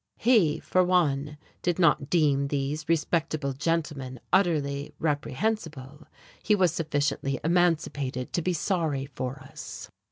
He, for one, did not deem these "respectable gentlemen" utterly reprehensible; he was sufficiently emancipated to be sorry for us.